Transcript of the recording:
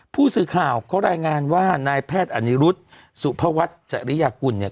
ผู้สื่อข่าวเขารายงานว่านายแพทย์อนิรุธสุภวัฒน์จริยากุลเนี่ย